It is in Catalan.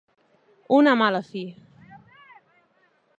-Una mala fi…